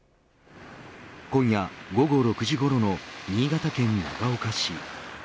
今夜、午後６時ごろの新潟県長岡市。